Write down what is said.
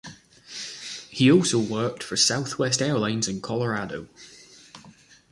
He also worked for Southwest Airlines in Colorado.